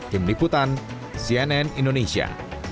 tim liputan cnn indonesia